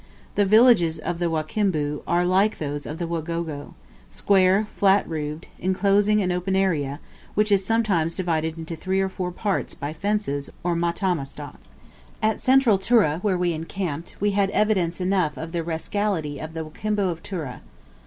The villages of the Wakimbu are like those of the Wagogo, square, flat roofed, enclosing an open area, which is sometimes divided into three or four parts by fences or matama stalks. At central Tura, where we encamped, we had evidence enough of the rascality of the Wakimbu of Tura.